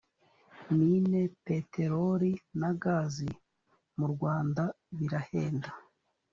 mine peteroli na gazi mu rwanda birahenda